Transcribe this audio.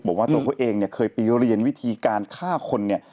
บอกว่าตัวเขาเองเคยไปเรียนวิธีการฆ่าคน